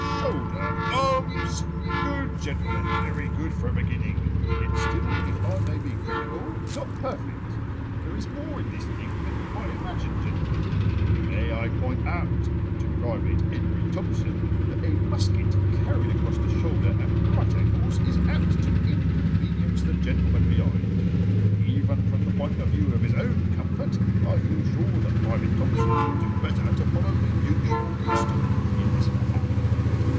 "Shoulder arms! Good, gentlemen, very good for a beginning. Yet still, if I may be critical, not perfect. There is more in this thing than you might imagine, gentlemen. May I point out to Private Henry Thompson that a musket carried across the shoulder at right angles is apt to inconvenience the gentleman behind. Even from the point of view of his own comfort, I feel sure that Private Thompson would do better to follow the usual custom in this matter.